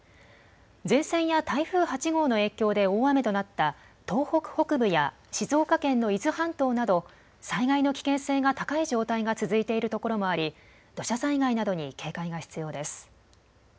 前線や台風８号の影響で大雨となった東北北部や静岡県の伊豆半島など災害の危険性が高い状態が続いているところもあり土砂災害などに警戒が必要です。